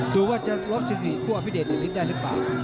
ดูว่าจะลดสินศิษย์คู่อภิเดชได้หรือเปล่า